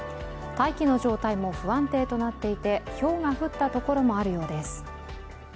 大気の状態も不安定となっていてひょうが降った所もあるようです。